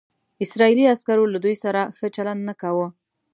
اسرائیلي عسکرو له دوی سره ښه چلند نه کاوه.